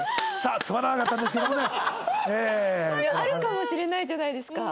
あるかもしれないじゃないですか。